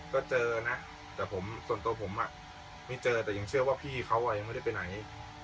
ก็เจอนะแต่ผมส่วนตัวผมไม่เจอแต่ยังเชื่อว่าพี่เขายังไม่ได้ไปไหน